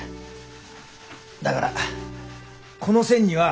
だからこの線には。